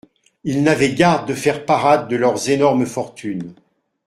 Ils n'avaient garde de faire parade de leurs énormes fortunes.